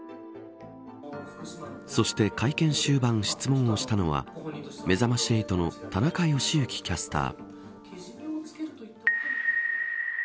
そして、会見終盤質問をしたのはめざまし８の田中良幸キャスター。